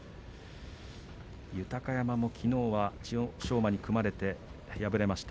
豊山もきのうは千代翔馬に組まれて敗れました。